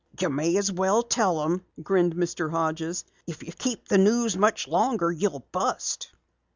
"You may as well tell 'em," grinned Mr. Hodges, "If you keep the news much longer you'll bust."